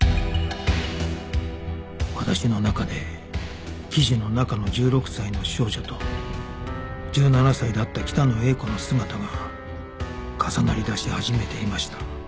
私の中で記事の中の１６歳の少女と１７歳だった北野英子の姿が重なりだし始めていました